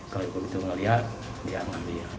kalau begitu melihat dia ambil